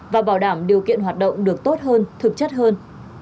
và bảo đảm điều kiện hoạt động được tốt hơn thực chất hơn